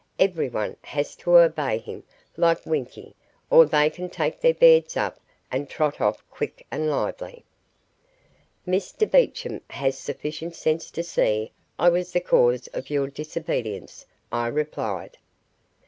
Everyone has to obey him like winkie or they can take their beds up and trot off quick and lively." "Mr Beecham has sufficient sense to see I was the cause of your disobedience," I replied.